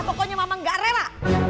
pokoknya mama gak rela